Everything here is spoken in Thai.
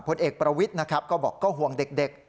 พลเอกประวิจย์ก็บอกห่วงเด็ก